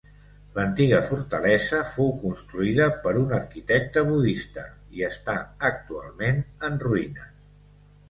L'antiga fortalesa fou construïda per un arquitecte budista, i està actualment en ruïnes.